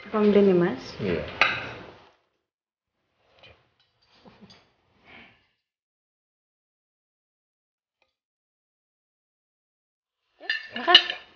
pembelian ya mas